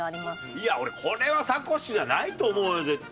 いや俺これはサコッシュじゃないと思うよ絶対。